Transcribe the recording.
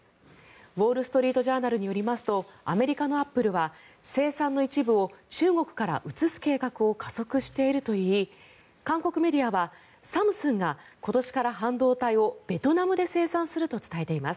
ウォール・ストリート・ジャーナルによりますとアメリカのアップルは生産の一部を中国から移す計画を加速しているといい韓国メディアはサムスンが今年から半導体をベトナムで生産すると伝えています。